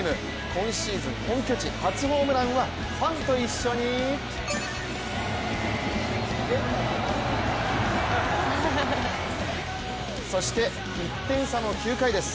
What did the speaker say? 今シーズン本拠地初ホームランはファンと一緒にそして、１点差の９回です。